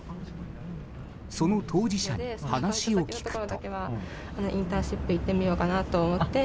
その当事者に話を聞くと。